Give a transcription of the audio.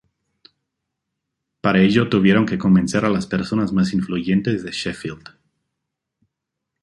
Para ello tuvieron que convencer a las personas más influyentes de Sheffield.